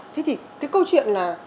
thế thì cái câu chuyện là